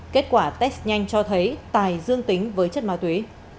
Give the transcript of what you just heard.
kết quả test nhanh cho thấy tài dương tính với chất ma túy